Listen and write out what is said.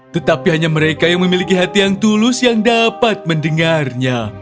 tetapi hanya mereka yang memiliki hati yang tulus yang dapat mendengarnya